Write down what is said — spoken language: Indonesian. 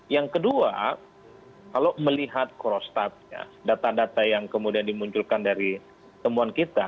yang kedua kalau melihat crosstat data data yang kemudian dimunculkan dari temuan kita